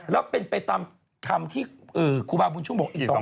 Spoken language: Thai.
แล้วเป็นไปตามคำที่ครูบาวบุญชุมบอก